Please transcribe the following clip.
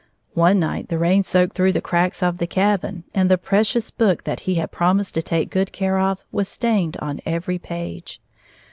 One night the rain soaked through the cracks of the cabin, and the precious book that he had promised to take good care of was stained on every page.